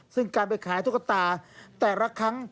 ซึ่งการไปขายตุ๊กตาแต่ละครั้ง